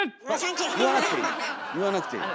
言わなくていい。